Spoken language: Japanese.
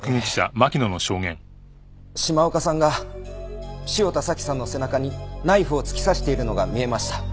島岡さんが汐田早紀さんの背中にナイフを突き刺しているのが見えました。